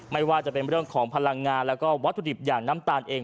ไม่ว่าจะเป็นเรื่องของพลังงานแล้วก็วัตถุดิบอย่างน้ำตาลเอง